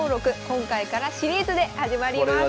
今回からシリーズで始まります。